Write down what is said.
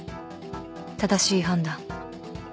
正しい判断